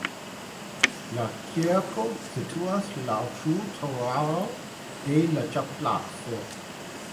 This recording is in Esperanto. La kirko situas laŭ trotuaro de la ĉefplaco.